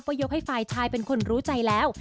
ก็ยกให้ฝ่ายชายเป็นคนรู้ใจแล้ว